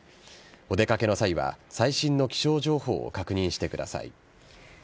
お出かけの際は最新の気象情報を確認してください。